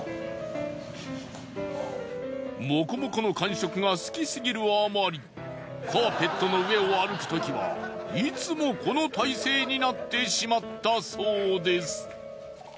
もこもこの感触が好きすぎるあまりカーペットの上を歩くときはいつもこの体勢になってしまったそうです。